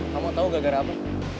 kamu tau gagara apa